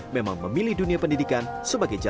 memang memilih dunia pendidikan sebagai jajaran